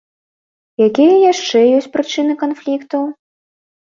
Якія яшчэ ёсць прычыны канфліктаў?